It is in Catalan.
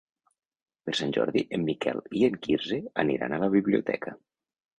Per Sant Jordi en Miquel i en Quirze aniran a la biblioteca.